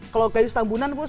kalau gajus tambunan